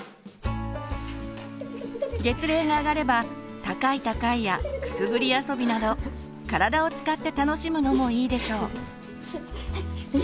月齢が上がれば高い高いやくすぐり遊びなど体を使って楽しむのもいいでしょう。